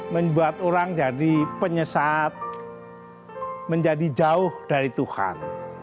membuat orang jadi penyesat menjadi jauh dari tuhan